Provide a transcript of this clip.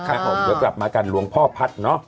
ครับผมเดี๋ยวกลับมากันหลวงพ่อพัฒน์เนอะ